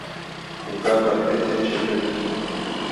Bûka berfê tê çêkirin.